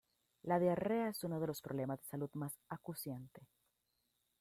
La diarrea es uno de los problemas de salud más acuciante.